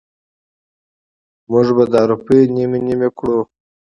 مونږ به دا روپۍ نیمې نیمې کړو.